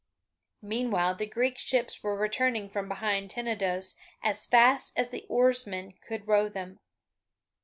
Meanwhile the Greek ships were returning from behind Tenedos as fast as the oarsmen could row them.